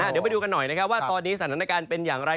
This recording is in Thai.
เดี๋ยวไปดูกันหน่อยนะครับว่าตอนนี้สถานการณ์เป็นอย่างไร